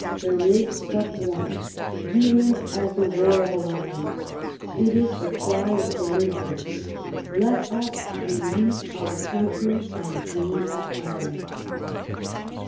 There is but one — vehement as the roar of a lion — it is the cry of deliverance. Let us release our country and be at home